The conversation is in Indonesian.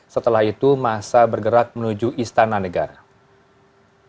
setelah itu masa bergerak menuju istana negara